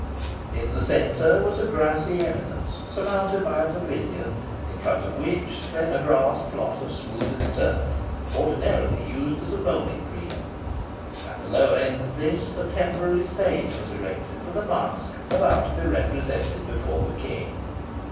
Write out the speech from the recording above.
In the centre was a grassy eminence, surmounted by a pavilion, in front of which spread a grass plot of smoothest turf, ordinarily used as a bowling green. At the lower end of this a temporary stage was erected, for the masque about to be represented before the King.